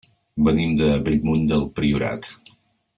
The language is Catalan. Venim de Bellmunt del Priorat.